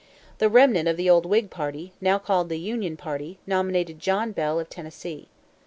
The remnant of the old Whig Party, now called the "Union Party," nominated John Bell, of Tennessee.